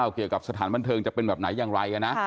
เกี่ยวกับสถานบันเทิงจะเป็นแบบไหนอย่างไรนะ